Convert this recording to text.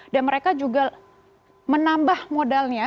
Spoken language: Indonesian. dan mereka juga menambah modalnya